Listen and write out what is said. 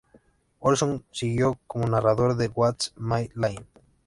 Olson siguió como narrador de "What's My Line?